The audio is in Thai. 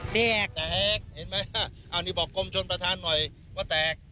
แตกเห็นไหมอ่ะอันนี้บอกกลมชนประธานหน่อยว่าแตก